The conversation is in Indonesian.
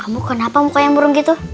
mu kenapa muka yang burung gitu